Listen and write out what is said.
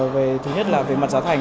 về thứ nhất là về mặt giá thành